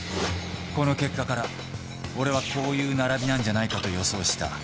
この結果から俺はこういう並びなんじゃないかと予想した。